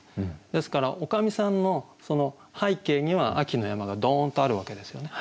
ですから女将さんの背景には秋の山がドーンとあるわけですよね。